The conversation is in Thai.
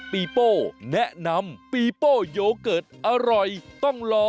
ปิโป๋มีโยเกิร์ต